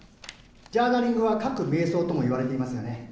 ジャーナリングは書く瞑想ともいわれていますよね